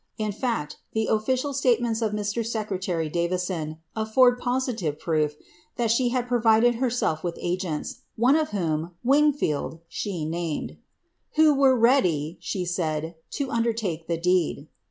In fact, >fficial statements of Mr. Secretary Davison, afford positive proof ihe had provided herself with agents, one of whom, Wingfield, she id, who were ready," she said, " to undertake the deed."